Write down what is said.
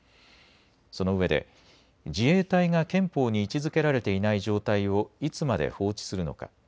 そのうえで自衛隊が憲法に位置づけられていない状態をいつまで放置するのか。